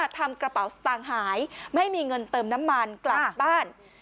ทำกระเป๋าสตางค์หายไม่มีเงินเติมน้ำมันกลับบ้าน